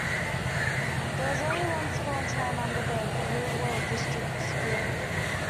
There is only one school in town under the Bluewater District School Board.